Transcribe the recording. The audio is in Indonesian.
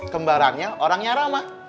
kembarannya orangnya rama